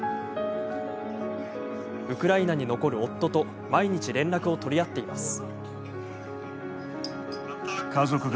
ウクライナに残る夫と毎日、連絡を取り合っています。